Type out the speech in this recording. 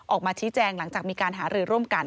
ออกมาชี้แจงหลังจากมีการหารือร่วมกัน